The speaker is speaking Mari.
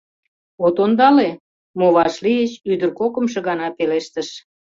— От ондале?.. — мо вашлийыч, ӱдыр кокымшо гана пелештыш.